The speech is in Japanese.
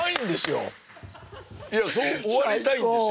いやそう終わりたいんです。